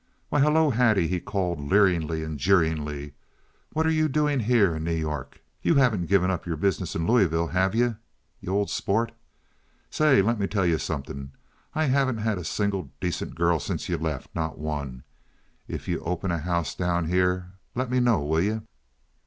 "Why, hello, Hattie!" he called, leeringly and jeeringly. "What are you doing down here in New York? You haven't given up your business in Louisville, have you, eh, old sport? Say, lemme tell you something. I haven't had a single decent girl since you left—not one. If you open a house down here, let me know, will you?"